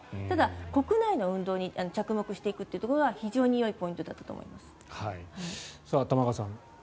ただ国内の運動に着目していくというところが非常によいポイントだったと思います。